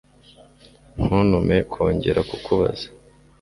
Ntuntume kongera kukubaza